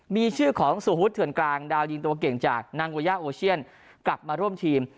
มีชื่อของสุฮุตเถื่อนกลางดาวยิงตัวเก่งจากนางโวย่าโอเชียนกลับมาร่วมทีม